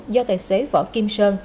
do tài xế võ kim sơn